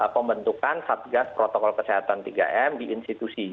pembentukan satgas protokol kesehatan tiga m di institusi